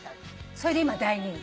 それで今大人気。